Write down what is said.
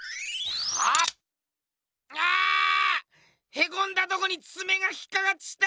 へこんだとこにつめが引っかかっちった！